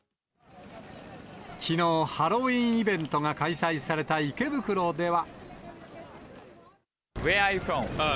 きのう、ハロウィーンイベントが開催された池袋では。